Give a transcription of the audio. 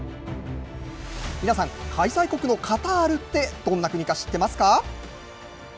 皆さん、開催国のカタールってどんな国か知ってますか？